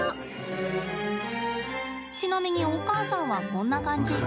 ちなみにお母さんは、こんな感じ。